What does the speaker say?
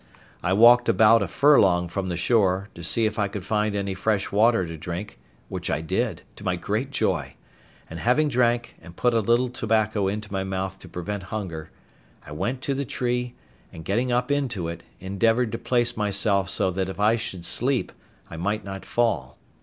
I walked about a furlong from the shore, to see if I could find any fresh water to drink, which I did, to my great joy; and having drank, and put a little tobacco into my mouth to prevent hunger, I went to the tree, and getting up into it, endeavoured to place myself so that if I should sleep I might not fall.